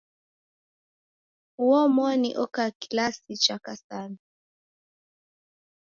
Uomoni oka kilasi cha kasanu.